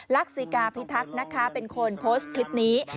รักษิกาพิทักษ์นะคะเป็นคนโพสต์คลิปนี้